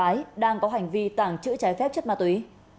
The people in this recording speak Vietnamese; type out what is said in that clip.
tại huyện lục yên tỉnh yên bái đang có hành vi tàng trữ trái phép chất ma túy